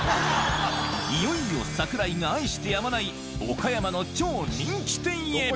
いよいよ桜井が愛してやまない岡山の超人気店へ。